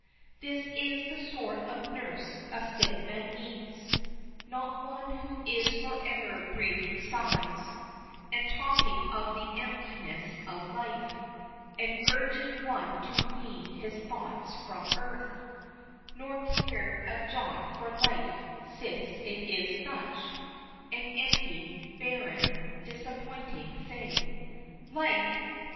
This is the sort of nurse a sick man needs, Not one who is forever breathing sighs, And talking of the emptiness of life, And urging one to wean his thoughts from earth, Nor care a jot for life, since it is such An empty, barren, disappointing thing. Life!